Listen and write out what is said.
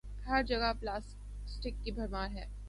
ہر جگہ پلاسٹک کی بھرمار ہے۔